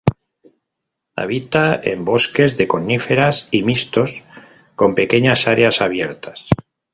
Habita en bosques de coníferas y mixtos con pequeñas áreas abiertas.